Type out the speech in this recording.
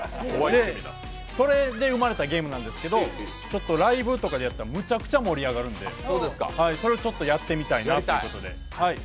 それで生まれた趣味なんですけど、ライブとかでやったらむちゃくちゃ盛り上がるんでそれをちょっとやってみたいなということで。